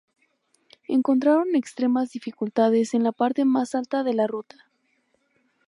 Encontraron extremas dificultades en la parte más alta de la ruta.